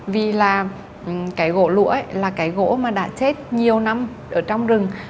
vì là cái gỗ lũa là cái gỗ mà đã chết nhiều năm ở trong rừng